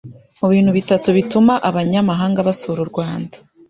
mu bintu bitatu bituma abanyamahanga basura u Rwanda